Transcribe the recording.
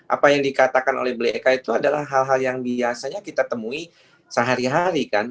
apa yang dikatakan oleh beliau eka itu adalah hal hal yang biasanya kita temui sehari hari kan